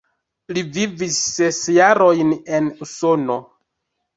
Li vivis ses jarojn en Usono.